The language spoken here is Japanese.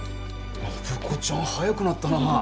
暢子ちゃん早くなったなあ。